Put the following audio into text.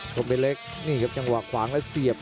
ชมเป็นเล็กนี่ครับจังหวะขวางแล้วเสียบ